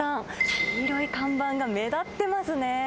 黄色い看板が目立ってますね。